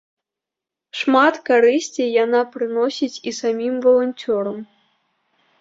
Шмат карысці яна прыносіць і самім валанцёрам!